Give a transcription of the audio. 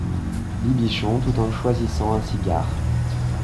Bibichon, tout en choisissant un cigare.